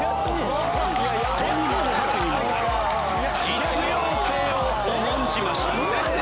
実用性を重んじました。